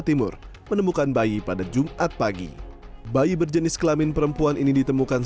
timur menemukan bayi pada jumat pagi bayi berjenis kelamin perempuan ini ditemukan